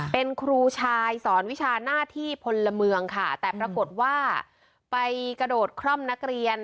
เป็นครูชายสอนวิชาหน้าที่พลเมืองค่ะแต่ปรากฏว่าไปกระโดดคร่อมนักเรียน